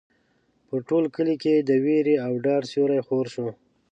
پر ټول کلي د وېرې او ډار سیوری خور شو.